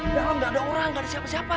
memang gak ada orang gak ada siapa siapa